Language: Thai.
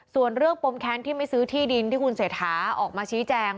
ส่วนเรื่องปมแค้นที่ไม่ซื้อที่ดินที่คุณเศรษฐาออกมาชี้แจง